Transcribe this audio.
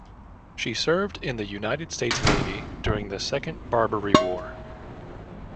She served in the United States Navy during the Second Barbary War.